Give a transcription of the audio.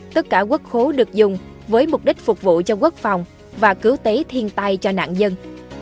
tất cả quốc khố được dùng với mục đích phục vụ cho quốc phòng và cứu tế thiên tai cho nạn dân